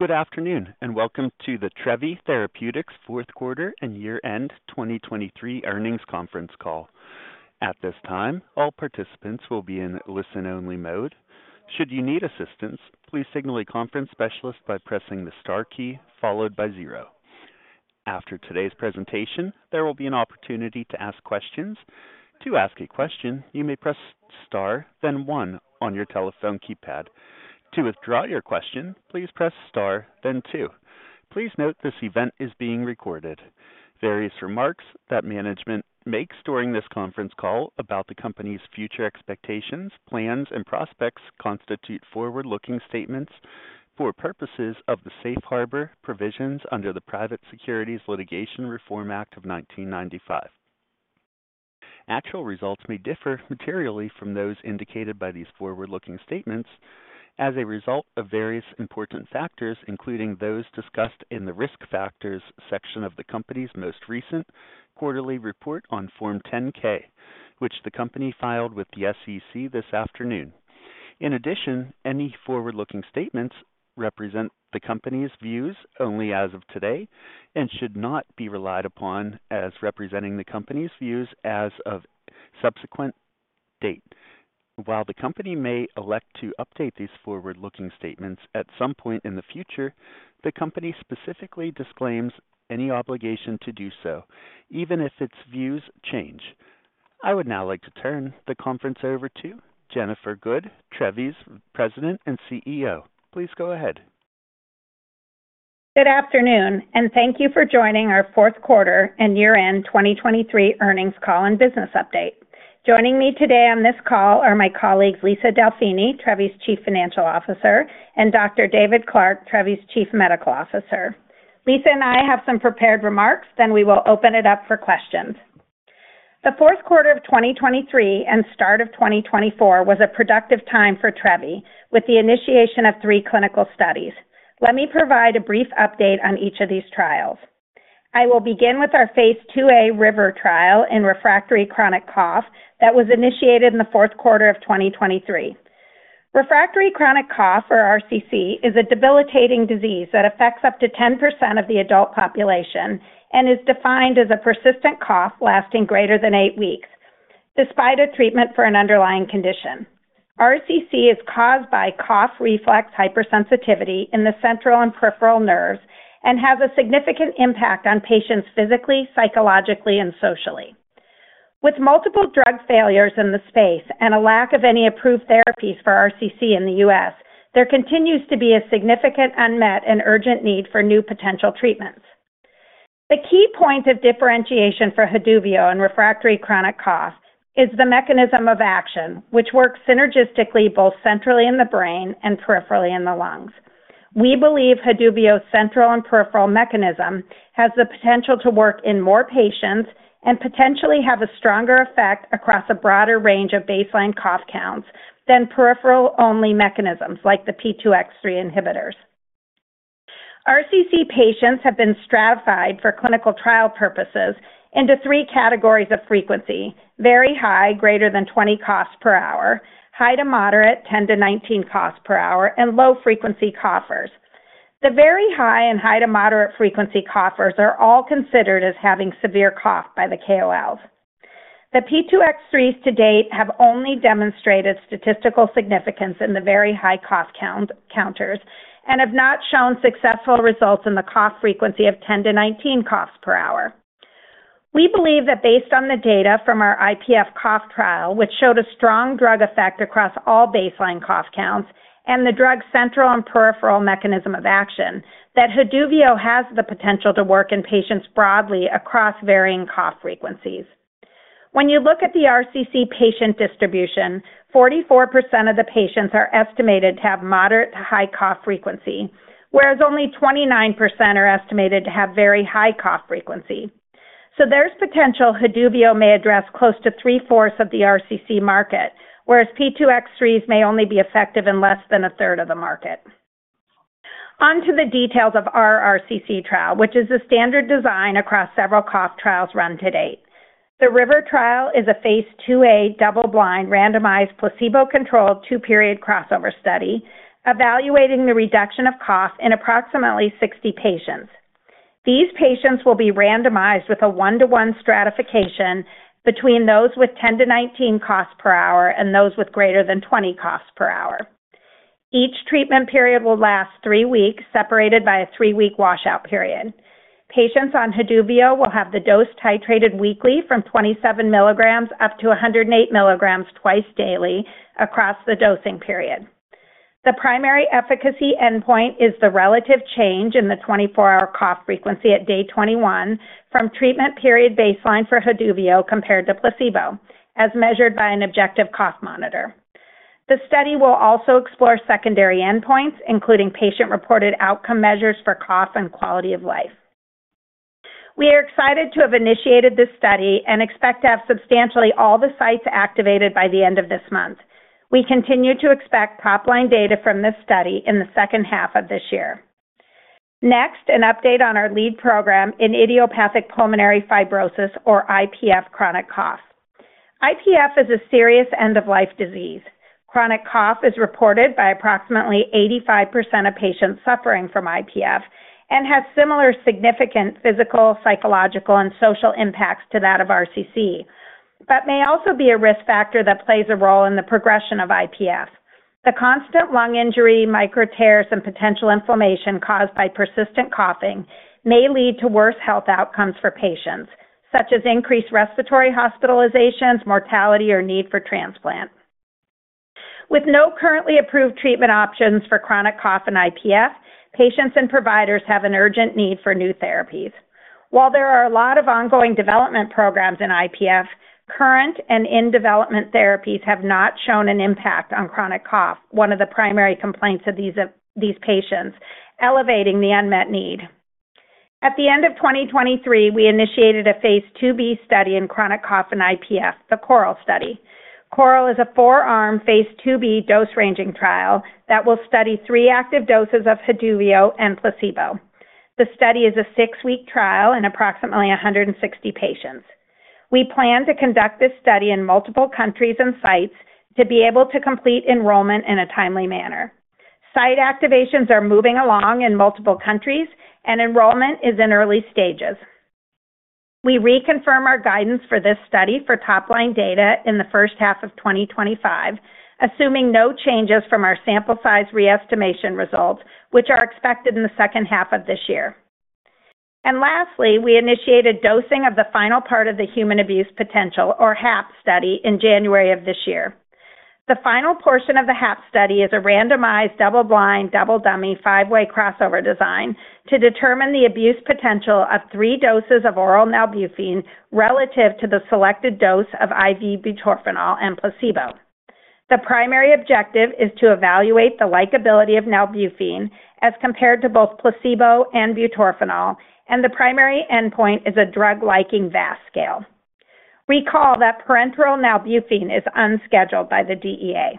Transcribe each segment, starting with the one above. Good afternoon and welcome to the Trevi Therapeutics 4Q and year-end 2023 earnings conference call. At this time, all participants will be in listen-only mode. Should you need assistance, please signal a conference specialist by pressing the star key followed by 0. After today's presentation, there will be an opportunity to ask questions. To ask a question, you may press * then 1 on your telephone keypad. To withdraw your question, please press * then 2. Please note this event is being recorded. Various remarks that management makes during this conference call about the company's future expectations, plans, and prospects constitute forward-looking statements for purposes of the Safe Harbor provisions under the Private Securities Litigation Reform Act of 1995. Actual results may differ materially from those indicated by these forward-looking statements as a result of various important factors, including those discussed in the risk factors section of the company's most recent quarterly report on Form 10-K, which the company filed with the SEC this afternoon. In addition, any forward-looking statements represent the company's views only as of today and should not be relied upon as representing the company's views as of a subsequent date. While the company may elect to update these forward-looking statements at some point in the future, the company specifically disclaims any obligation to do so, even if its views change. I would now like to turn the conference over to Jennifer Good, Trevi's President and CEO. Please go ahead. Good afternoon, and thank you for joining our 4Q and year-end 2023 earnings call and business update. Joining me today on this call are my colleagues Lisa Delfini, Trevi's Chief Financial Officer, and Dr. David Clark, Trevi's Chief Medical Officer. Lisa and I have some prepared remarks, then we will open it up for questions. The 4Q of 2023 and start of 2024 was a productive time for Trevi, with the initiation of three clinical studies. Let me provide a brief update on each of these trials. I will begin with our phase 2a RIVER trial in refractory chronic cough that was initiated in the 4Q of 2023. Refractory chronic cough, or RCC, is a debilitating disease that affects up to 10% of the adult population and is defined as a persistent cough lasting greater than eight weeks, despite a treatment for an underlying condition. RCC is caused by cough reflex hypersensitivity in the central and peripheral nerves and has a significant impact on patients physically, psychologically, and socially. With multiple drug failures in the space and a lack of any approved therapies for RCC in the U.S., there continues to be a significant unmet and urgent need for new potential treatments. The key point of differentiation for Haduvio in refractory chronic cough is the mechanism of action, which works synergistically both centrally in the brain and peripherally in the lungs. We believe Haduvio's central and peripheral mechanism has the potential to work in more patients and potentially have a stronger effect across a broader range of baseline cough counts than peripheral-only mechanisms like the P2X3 inhibitors. RCC patients have been stratified for clinical trial purposes into three categories of frequency: very high, greater than 20 coughs per hour, high to moderate, 10 to 19 coughs per hour, and low-frequency coughers. The very high and high to moderate frequency coughers are all considered as having severe cough by the KOLs. The P2X3s to date have only demonstrated statistical significance in the very high cough counters and have not shown successful results in the cough frequency of 10 to 19 coughs per hour. We believe that based on the data from our IPF cough trial, which showed a strong drug effect across all baseline cough counts and the drug central and peripheral mechanism of action, that Haduvio has the potential to work in patients broadly across varying cough frequencies. When you look at the RCC patient distribution, 44% of the patients are estimated to have moderate to high cough frequency, whereas only 29% are estimated to have very high cough frequency. So there's potential Haduvio may address close to three-fourths of the RCC market, whereas P2X3s may only be effective in less than a third of the market. Onto the details of our RCC trial, which is the standard design across several cough trials run to date. The RIVER trial is a phase 2a double-blind randomized placebo-controlled two-period crossover study evaluating the reduction of cough in approximately 60 patients. These patients will be randomized with a 1:1 stratification between those with 10-19 coughs per hour and those with greater than 20 coughs per hour. Each treatment period will last three weeks, separated by a three-week washout period. Patients on Haduvio will have the dose titrated weekly from 27 milligrams up to 108 milligrams twice daily across the dosing period. The primary efficacy endpoint is the relative change in the 24-hour cough frequency at day 21 from treatment period baseline for Haduvio compared to placebo, as measured by an objective cough monitor. The study will also explore secondary endpoints, including patient-reported outcome measures for cough and quality of life. We are excited to have initiated this study and expect to have substantially all the sites activated by the end of this month. We continue to expect top-line data from this study in the second half of this year. Next, an update on our lead program in idiopathic pulmonary fibrosis, or IPF, chronic cough. IPF is a serious end-of-life disease. Chronic cough is reported by approximately 85% of patients suffering from IPF and has similar significant physical, psychological, and social impacts to that of RCC, but may also be a risk factor that plays a role in the progression of IPF. The constant lung injury, micro-tears, and potential inflammation caused by persistent coughing may lead to worse health outcomes for patients, such as increased respiratory hospitalizations, mortality, or need for transplant. With no currently approved treatment options for chronic cough in IPF, patients and providers have an urgent need for new therapies. While there are a lot of ongoing development programs in IPF, current and in-development therapies have not shown an impact on chronic cough, one of the primary complaints of these patients, elevating the unmet need. At the end of 2023, we initiated a phase 2b study in chronic cough in IPF, the CORAL study. CORAL is a 4-arm, phase 2b dose-ranging trial that will study 3 active doses of Haduvio and placebo. The study is a 6-week trial in approximately 160 patients. We plan to conduct this study in multiple countries and sites to be able to complete enrollment in a timely manner. Site activations are moving along in multiple countries, and enrollment is in early stages. We reconfirm our guidance for this study for top-line data in the first half of 2025, assuming no changes from our sample size re-estimation results, which are expected in the second half of this year. Lastly, we initiated dosing of the final part of the human abuse potential, or HAP, study in January of this year. The final portion of the HAP study is a randomized double-blind, double-dummy, five-way crossover design to determine the abuse potential of three doses of oral nalbuphine relative to the selected dose of IV butorphanol and placebo. The primary objective is to evaluate the likability of nalbuphine as compared to both placebo and butorphanol, and the primary endpoint is a drug-liking VAS scale. Recall that parenteral nalbuphine is unscheduled by the DEA.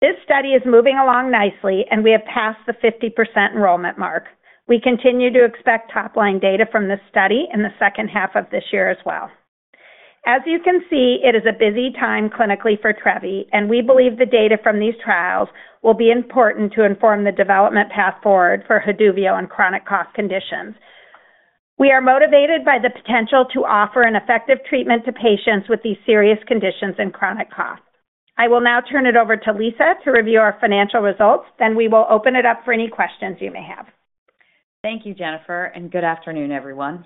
This study is moving along nicely, and we have passed the 50% enrollment mark. We continue to expect top-line data from this study in the second half of this year as well. As you can see, it is a busy time clinically for Trevi, and we believe the data from these trials will be important to inform the development path forward for Haduvio and chronic cough conditions. We are motivated by the potential to offer an effective treatment to patients with these serious conditions and chronic cough. I will now turn it over to Lisa to review our financial results, then we will open it up for any questions you may have. Thank you, Jennifer, and good afternoon, everyone.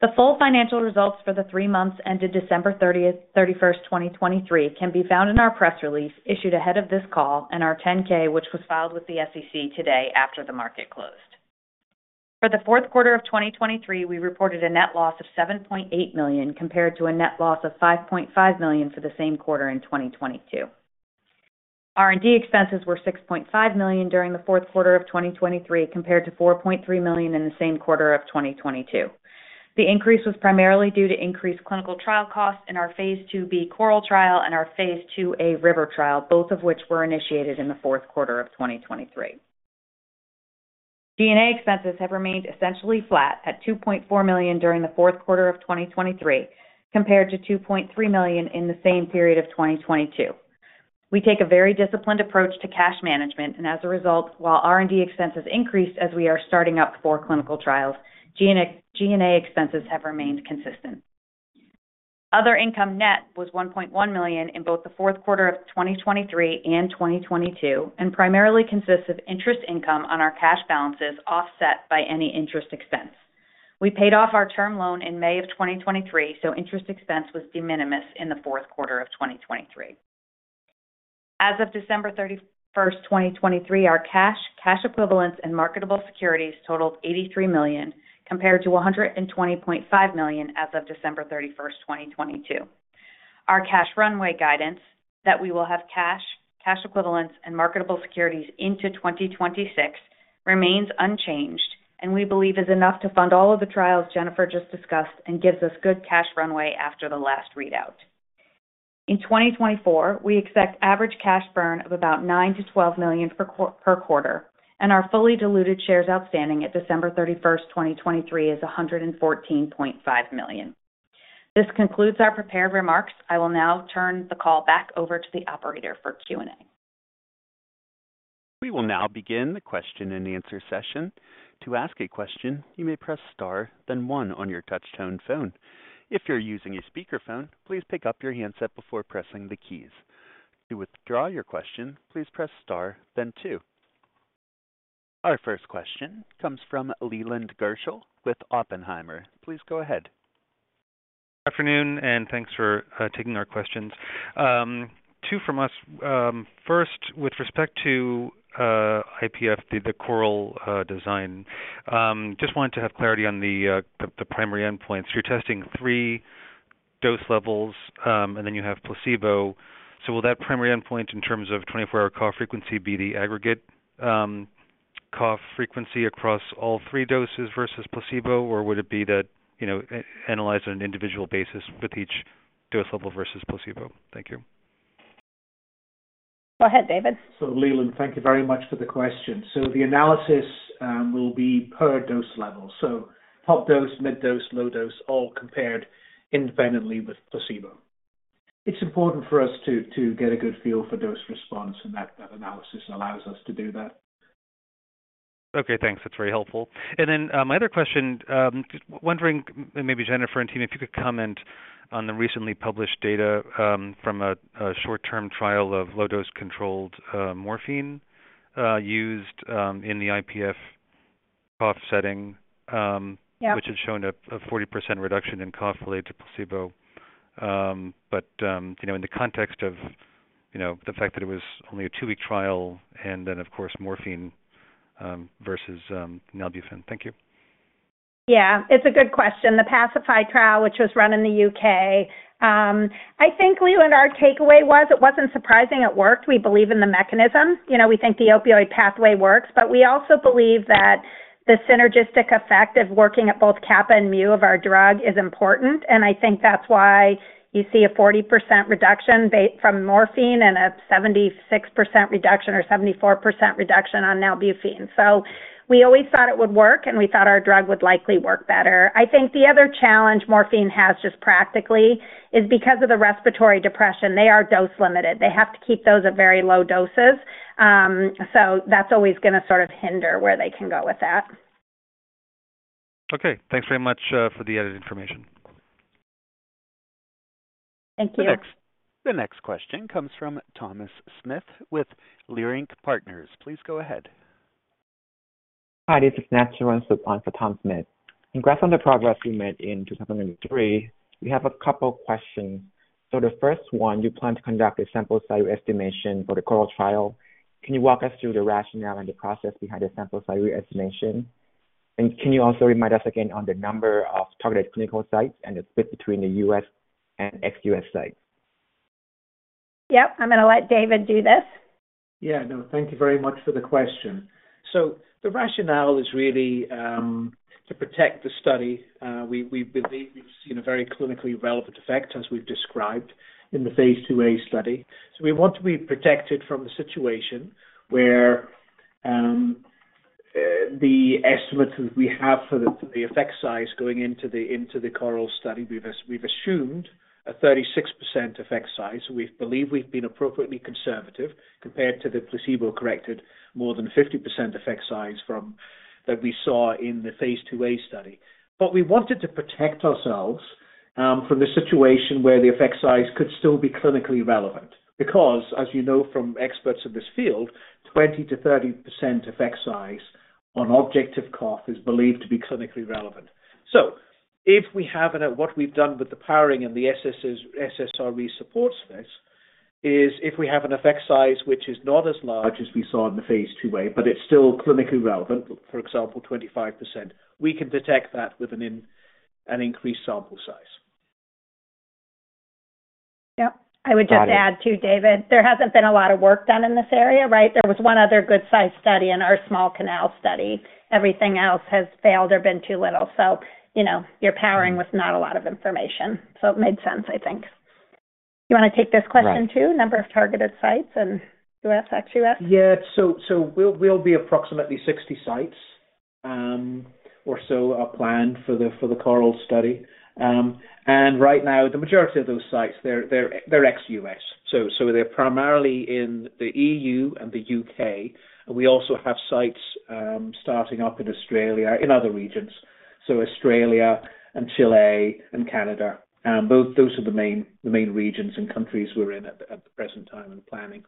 The full financial results for the three months ended December 31st, 2023, can be found in our press release issued ahead of this call and our 10-K, which was filed with the SEC today after the market closed. For the 4Q of 2023, we reported a net loss of $7.8 million compared to a net loss of $5.5 million for the same quarter in 2022. R&D expenses were $6.5 million during the 4Q of 2023 compared to $4.3 million in the same quarter of 2022. The increase was primarily due to increased clinical trial costs in our Phase 2B CORAL trial and our Phase 2a RIVER trial, both of which were initiated in the 4Q of 2023. G&A expenses have remained essentially flat at $2.4 million during the 4Q of 2023 compared to $2.3 million in the same period of 2022. We take a very disciplined approach to cash management, and as a result, while R&D expenses increased as we are starting up four clinical trials, G&A expenses have remained consistent. Other income net was $1.1 million in both the 4Q of 2023 and 2022 and primarily consists of interest income on our cash balances offset by any interest expense. We paid off our term loan in May of 2023, so interest expense was de minimis in the 4Q of 2023. As of December 31st, 2023, our cash, cash equivalents, and marketable securities totaled $83 million compared to $120.5 million as of December 31st, 2022. Our cash runway guidance that we will have cash, cash equivalents, and marketable securities into 2026 remains unchanged, and we believe is enough to fund all of the trials Jennifer just discussed and gives us good cash runway after the last readout. In 2024, we expect average cash burn of about $9 million-$12 million per quarter, and our fully diluted shares outstanding at December 31st, 2023, is 114.5 million. This concludes our prepared remarks. I will now turn the call back over to the operator for Q&A. We will now begin the question and answer session. To ask a question, you may press star, then one on your touch-tone phone. If you're using a speakerphone, please pick up your handset before pressing the keys. To withdraw your question, please press star, then two. Our first question comes from Leland Gershell with Oppenheimer. Please go ahead. Good afternoon, and thanks for taking our questions. Two from us. First, with respect to IPF, the CORAL design, just wanted to have clarity on the primary endpoints. You're testing three dose levels, and then you have placebo. So will that primary endpoint, in terms of 24-hour cough frequency, be the aggregate cough frequency across all three doses versus placebo, or would it be that analyzed on an individual basis with each dose level versus placebo? Thank you. Go ahead, David. So Leland, thank you very much for the question. So the analysis will be per dose level, so top dose, mid dose, low dose, all compared independently with placebo. It's important for us to get a good feel for dose response, and that analysis allows us to do that. Okay, thanks. That's very helpful. And then my other question, wondering, maybe Jennifer and team, if you could comment on the recently published data from a short-term trial of low-dose controlled morphine used in the IPF cough setting, which had shown a 40% reduction in cough related to placebo. But in the context of the fact that it was only a two-week trial and then, of course, morphine versus nalbuphine, thank you. Yeah, it's a good question. The PACIFY trial, which was run in the UK, I think Leland, our takeaway was it wasn't surprising it worked. We believe in the mechanism. We think the opioid pathway works, but we also believe that the synergistic effect of working at both kappa and mu of our drug is important. And I think that's why you see a 40% reduction from morphine and a 76% reduction or 74% reduction on nalbuphine. So we always thought it would work, and we thought our drug would likely work better. I think the other challenge morphine has just practically is because of the respiratory depression. They are dose-limited. They have to keep those at very low doses. So that's always going to sort of hinder where they can go with that. Okay. Thanks very much for the added information. Thank you. The next question comes from Thomas Smith with Leerink Partners. Please go ahead. Hi, this is Nancy Runsup for Tom Smith. In grasping the progress we made in 2023, we have a couple of questions. So the first one, you plan to conduct a sample size estimation for the CORAL trial. Can you walk us through the rationale and the process behind the sample size estimation? And can you also remind us again on the number of targeted clinical sites and the split between the U.S. and ex-U.S. sites? Yep. I'm going to let David do this. Yeah. No, thank you very much for the question. So the rationale is really to protect the study. We believe we've seen a very clinically relevant effect, as we've described, in the Phase 2a study. So we want to be protected from the situation where the estimates that we have for the effect size going into the CORAL study, we've assumed a 36% effect size. So we believe we've been appropriately conservative compared to the placebo-corrected more than 50% effect size that we saw in the Phase 2a study. But we wanted to protect ourselves from the situation where the effect size could still be clinically relevant because, as you know from experts in this field, 20%-30% effect size on objective cough is believed to be clinically relevant. If we have what we've done with the powering and the SSRE supports this is if we have an effect size which is not as large as we saw in the phase 2a, but it's still clinically relevant, for example, 25%, we can detect that with an increased sample size. Yep. I would just add too, David, there hasn't been a lot of work done in this area, right? There was one other good-sized study in our small-scale study. Everything else has failed or been too little. So your powering was not a lot of information. So it made sense, I think. You want to take this question too? Number of targeted sites and U.S., ex-U.S.? Yeah. So there'll be approximately 60 sites or so planned for the CORAL study. Right now, the majority of those sites, they're ex-U.S. So they're primarily in the E.U. and the U.K. And we also have sites starting up in Australia, in other regions, so Australia and Chile and Canada. Those are the main regions and countries we're in at the present time and planning.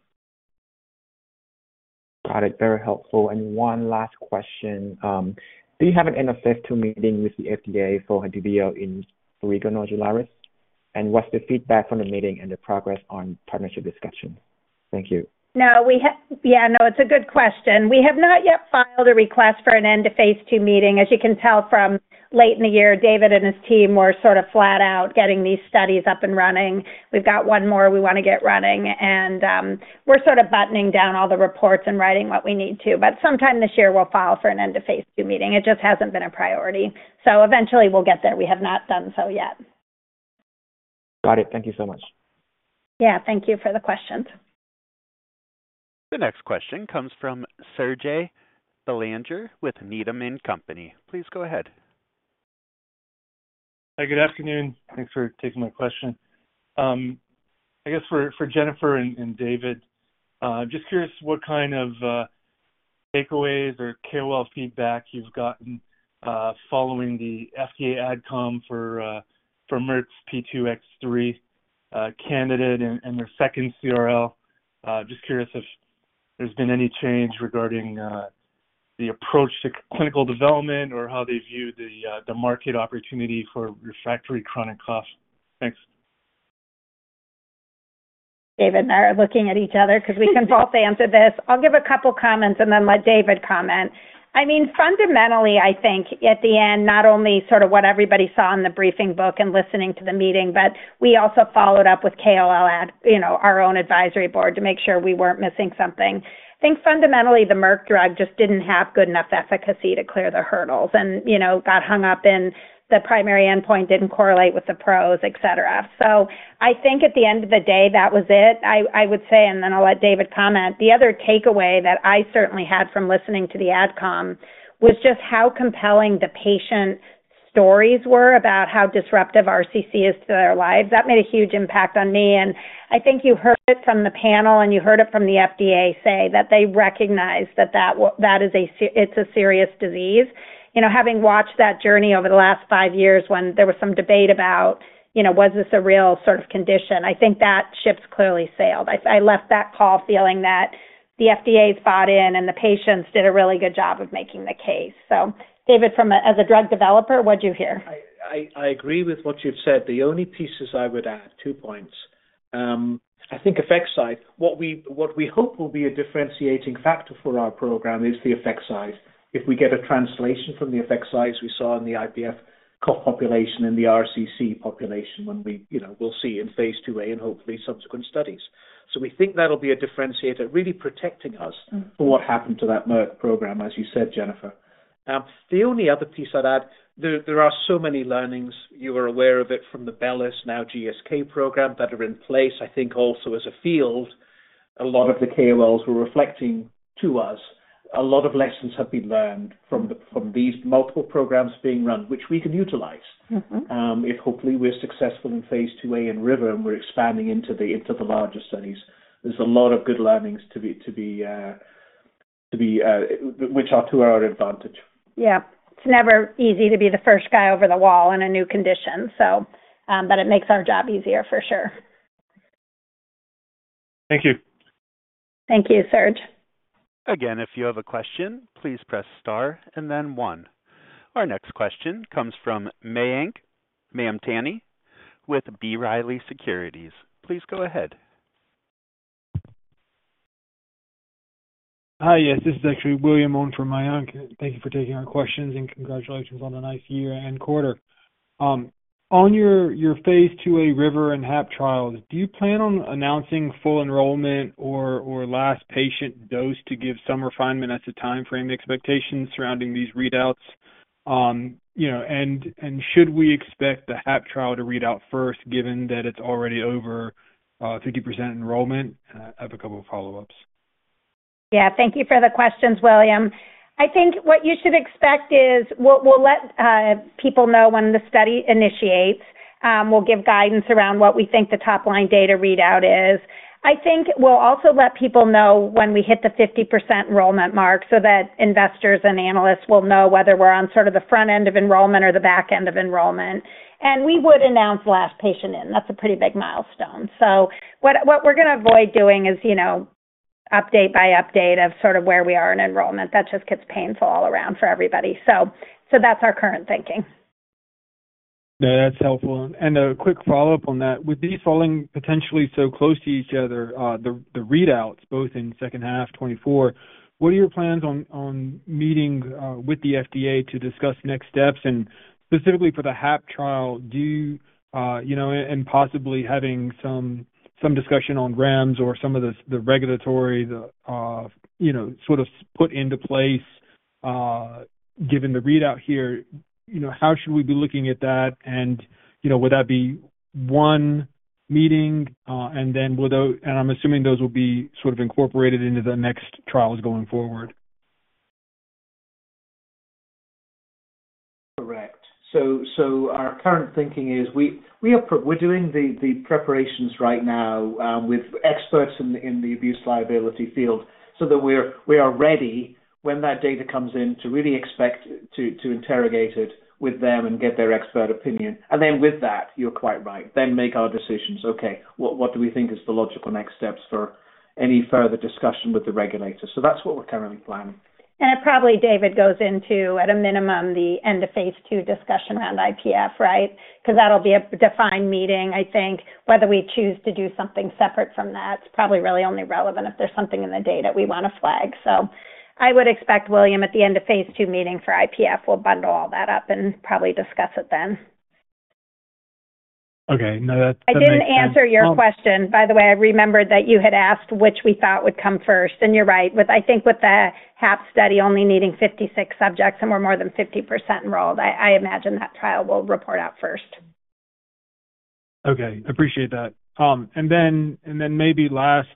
Got it. Very helpful. One last question. Do you have an end-of-phase 2 meeting with the FDA for Haduvio in Q2 or July? What's the feedback from the meeting and the progress on partnership discussions? Thank you. Yeah, no, it's a good question. We have not yet filed a request for an end-of-phase 2 meeting. As you can tell from late in the year, David and his team were sort of flat out getting these studies up and running. We've got one more we want to get running. And we're sort of buttoning down all the reports and writing what we need to. But sometime this year, we'll file for an end-of-phase 2 meeting. It just hasn't been a priority. So eventually, we'll get there. We have not done so yet. Got it. Thank you so much. Yeah, thank you for the questions. The next question comes from Serge Belanger with Needham & Company. Please go ahead. Hi, good afternoon. Thanks for taking my question. I guess for Jennifer and David, I'm just curious what kind of takeaways or KOL feedback you've gotten following the FDA AdCom for Merck's P2X3 candidate and their second CRL. Just curious if there's been any change regarding the approach to clinical development or how they view the market opportunity for refractory chronic cough. Thanks. David and I are looking at each other because we can both answer this. I'll give a couple of comments and then let David comment. I mean, fundamentally, I think at the end, not only sort of what everybody saw in the briefing book and listening to the meeting, but we also followed up with KOL, our own advisory board, to make sure we weren't missing something. I think fundamentally, the Merck drug just didn't have good enough efficacy to clear the hurdles and got hung up in the primary endpoint, didn't correlate with the pros, etc. So I think at the end of the day, that was it, I would say, and then I'll let David comment. The other takeaway that I certainly had from listening to the AdCom was just how compelling the patient stories were about how disruptive RCC is to their lives. That made a huge impact on me. And I think you heard it from the panel, and you heard it from the FDA say that they recognize that it's a serious disease. Having watched that journey over the last five years when there was some debate about, "Was this a real sort of condition?" I think that ship's clearly sailed. I left that call feeling that the FDA's bought in and the patients did a really good job of making the case. So David, as a drug developer, what'd you hear? I agree with what you've said. The only pieces I would add, two points. I think effect size. What we hope will be a differentiating factor for our program is the effect size. If we get a translation from the effect size we saw in the IPF cough population and the RCC population when we'll see in phase 2a and hopefully subsequent studies. So we think that'll be a differentiator really protecting us for what happened to that Merck program, as you said, Jennifer. The only other piece I'd add, there are so many learnings. You were aware of it from the Bellus, now GSK, program that are in place. I think also as a field, a lot of the KOLs were reflecting to us. A lot of lessons have been learned from these multiple programs being run, which we can utilize if hopefully we're successful in Phase 2a and River and we're expanding into the larger studies. There's a lot of good learnings to be which are to our advantage. Yeah. It's never easy to be the first guy over the wall in a new condition, so. But it makes our job easier for sure. Thank you. Thank you, Serge. Again, if you have a question, please press star and then one. Our next question comes from Mayank Mamtani with B. Riley Securities. Please go ahead. Hi, yes. This is actually William Forbes from Mayank. Thank you for taking our questions and congratulations on a nice year and quarter. On your phase 2a RIVER and HAP trials, do you plan on announcing full enrollment or last patient dose to give some refinement as a timeframe expectation surrounding these readouts? And should we expect the HAP trial to read out first given that it's already over 50% enrollment? I have a couple of follow-ups. Yeah, thank you for the questions, William. I think what you should expect is we'll let people know when the study initiates. We'll give guidance around what we think the top-line data readout is. I think we'll also let people know when we hit the 50% enrollment mark so that investors and analysts will know whether we're on sort of the front end of enrollment or the back end of enrollment. And we would announce last patient in. That's a pretty big milestone. So what we're going to avoid doing is update by update of sort of where we are in enrollment. That just gets painful all around for everybody. So that's our current thinking. No, that's helpful. And a quick follow-up on that. With these falling potentially so close to each other, the readouts, both in second half, 2024, what are your plans on meeting with the FDA to discuss next steps? And specifically for the HAP trial, do you and possibly having some discussion on RAMS or some of the regulatory sort of put into place given the readout here, how should we be looking at that? And would that be one meeting? And I'm assuming those will be sort of incorporated into the next trials going forward. Correct. So our current thinking is we're doing the preparations right now with experts in the abuse liability field so that we are ready when that data comes in to really expect to interrogate it with them and get their expert opinion. And then with that, you're quite right, then make our decisions, "Okay, what do we think is the logical next steps for any further discussion with the regulator?" So that's what we're currently planning. Probably David goes into, at a minimum, the end-of-phase 2 discussion around IPF, right? Because that'll be a defined meeting, I think. Whether we choose to do something separate from that, it's probably really only relevant if there's something in the data we want to flag. So I would expect, William, at the end-of-phase 2 meeting for IPF, we'll bundle all that up and probably discuss it then. Okay. No, that sounds like. I didn't answer your question. By the way, I remembered that you had asked which we thought would come first. You're right. I think with the HAP study only needing 56 subjects and we're more than 50% enrolled, I imagine that trial will report out first. Okay. Appreciate that. And then maybe last,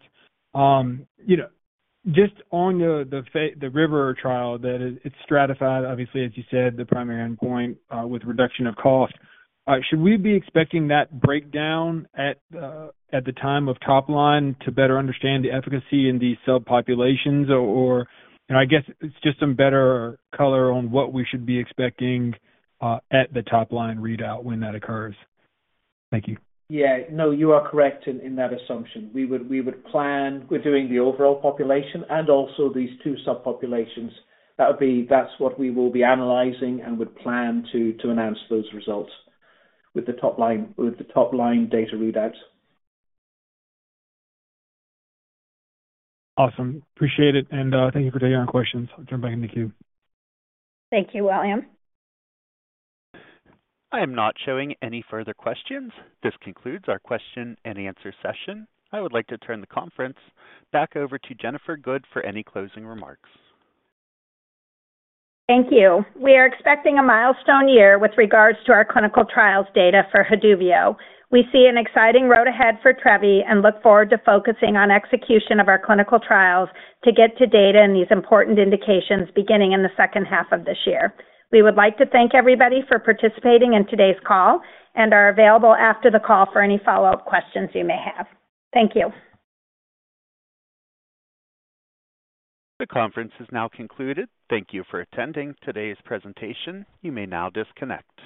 just on the RIVER trial that it's stratified, obviously, as you said, the primary endpoint with reduction of cough, should we be expecting that breakdown at the time of top-line to better understand the efficacy in these subpopulations? Or I guess it's just some better color on what we should be expecting at the top-line readout when that occurs. Thank you. Yeah. No, you are correct in that assumption. We would plan, we're doing the overall population and also these two subpopulations. That's what we will be analyzing and would plan to announce those results with the top-line data readouts. Awesome. Appreciate it. Thank you for taking our questions. I'll jump back into the queue. Thank you, William. I am not showing any further questions. This concludes our question and answer session. I would like to turn the conference back over to Jennifer Good for any closing remarks. Thank you. We are expecting a milestone year with regards to our clinical trials data for Haduvio. We see an exciting road ahead for Trevi and look forward to focusing on execution of our clinical trials to get to data and these important indications beginning in the second half of this year. We would like to thank everybody for participating in today's call and are available after the call for any follow-up questions you may have. Thank you. The conference has now concluded. Thank you for attending today's presentation. You may now disconnect.